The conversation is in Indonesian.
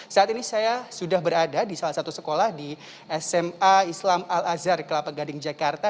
saat ini saya sudah berada di salah satu sekolah di sma islam al azhar kelapa gading jakarta